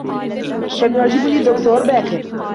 كم يعجبني الدّكتور باكر.